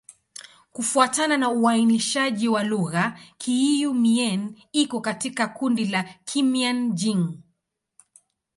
Kufuatana na uainishaji wa lugha, Kiiu-Mien iko katika kundi la Kimian-Jin.